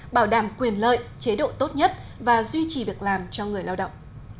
bảo đảm quyền lợi chế độ tốt nhất và duy trì việc làm cho người lao động